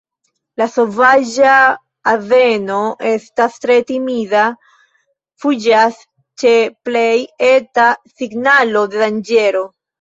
La sovaĝa azeno estas tre timida, fuĝas ĉe plej eta signalo de danĝero.